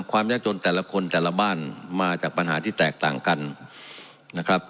ความยากจนแต่ละคนแต่ละบ้านมาจากปัญหาที่แตกต่างกันนะครับ